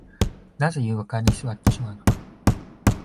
なぜ床に座ってしまうのか